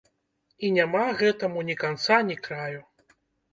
І няма гэтаму ні канца ні краю.